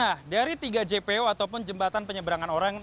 nah dari tiga jpo ataupun jembatan penyeberangan orang